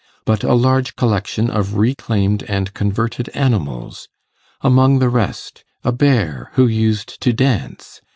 But a Large Collection of reclaimed and converted Animals: Among the rest A Bear, who used to _dance!